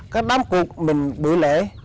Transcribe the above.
các bám cục mình bữa lễ